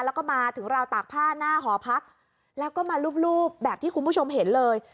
แล้วก็มาถึงราวตากผ้าหน้าหอพักแล้วก็มารูปแบบที่คุณผู้ชมเห็นเลย